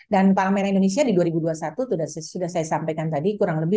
dan pala merah indonesia di dua ribu dua puluh satu sudah saya sampaikan tadi